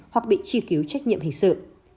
hoặc bị trì cứu trách nhiệm hình sự